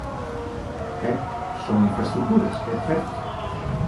Ben, son infraestruturas, ¡é certo!